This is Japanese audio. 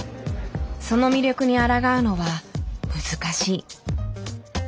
その魅力にあらがうのは難しい。